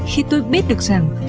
khi tôi biết được rằng